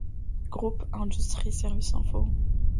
Groupe Industrie Services Info.